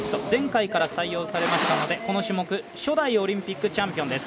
前回から採用されましたのでこの種目初代オリンピックチャンピオン。